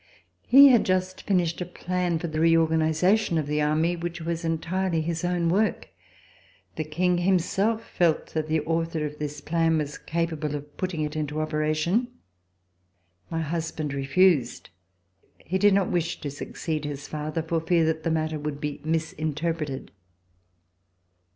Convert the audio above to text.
He had just finished a plan for the reorganization of the Army, which was entirely his own work. The King himself felt that the author of this plan was capable of putting it in operation. My husband refused. He did not wish to succeed his father for fear that the matter would be misinterpreted.